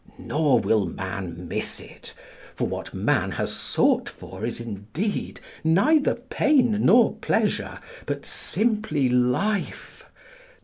Nor will man miss it. For what man has sought for is, indeed, neither pain nor pleasure, but simply Life.